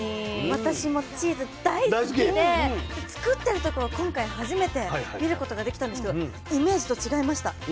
私もチーズ大好きで作ってるところ今回初めて見ることができたんですけどイメージと違いました。